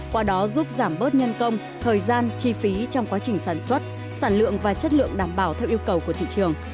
qua đó giúp giảm bớt nhân công thời gian chi phí trong quá trình sản xuất sản lượng và chất lượng đảm bảo theo yêu cầu của thị trường